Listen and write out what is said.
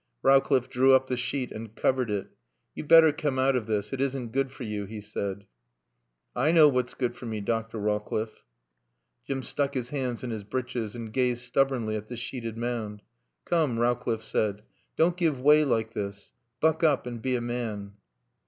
Rowcliffe drew up the sheet and covered it. "You'd better come out of this. It isn't good for you," he said. "I knaw what's good for me, Dr. Rawcliffe." Jim stuck his hands in his breeches and gazed stubbornly at the sheeted mound. "Come," Rowcliffe said, "don't give way like this. Buck up and be a man."